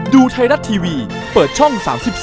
ดูไทยรัฐทีวีเปิดช่อง๓๒